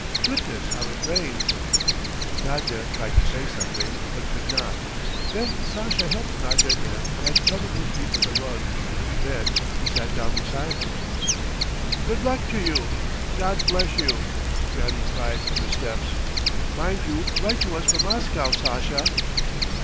Goodness, how it rains!" Nadya tried to say something, but could not. Then Sasha helped Nadya in and covered her feet with a rug. Then he sat down beside her. "Good luck to you! God bless you!" Granny cried from the steps. "Mind you write to us from Moscow, Sasha!"